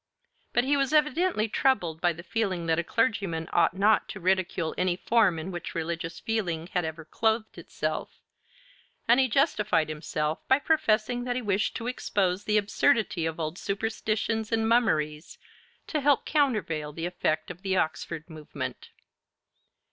But he was evidently troubled by the feeling that a clergyman ought not to ridicule any form in which religious feeling had ever clothed itself; and he justified himself by professing that he wished to expose the absurdity of old superstitions and mummeries to help countervail the effect of the Oxford movement.